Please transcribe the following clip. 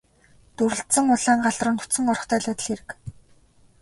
Дүрэлзсэн улаан гал руу нүцгэн орохтой л адил хэрэг.